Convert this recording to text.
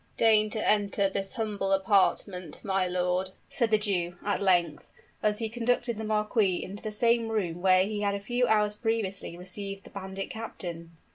"Deign to enter this humble apartment, my lord," said the Jew, at length, as he conducted the marquis into the same room where he had a few hours previously received the bandit captain.